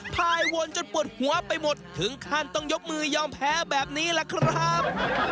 พายวนจนปวดหัวไปหมดถึงขั้นต้องยกมือยอมแพ้แบบนี้ล่ะครับ